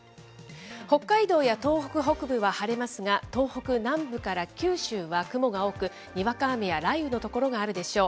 北海道や東北北部は晴れますが、東北南部から九州は雲が多く、にわか雨や雷雨の所があるでしょう。